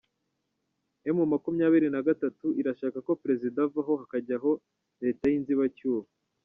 Emu makumyabiri nagatatu irashaka ko perezida avaho hakajyaho Leta y’inzibacyuho